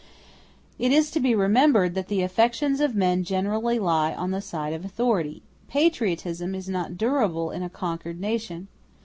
It is to be remembered that the affections of men generally lie on the side of authority. Patriotism is not durable in a conquered nation.